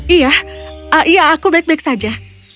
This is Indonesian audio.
iya iya aku baik baik saja